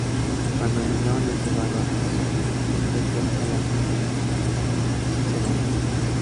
Cuando Milón es llevado a juicio, su defensa la asumirá Cicerón.